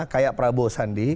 kayak prabowo sandi